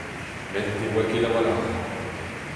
Met ne oa ket a-walc'h.